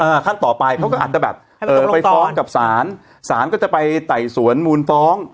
ขั้นต่อไปเขาก็อาจจะแบบเอ่อไปฟ้องกับศาลศาลก็จะไปไต่สวนมูลฟ้อง